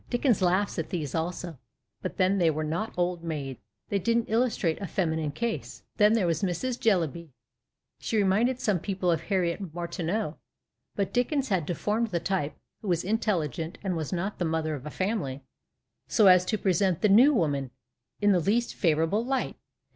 Dickens laughs at these also — but then they were not old maids, they didn't illustrate a " feminine case." Then there was Mrs. Jellyby. She reminded some people of Harriet Martineau. But Dickens had deformed the type (who was intelligent and was not the mother of a family) so as to present the " new woman " in the least favourable light.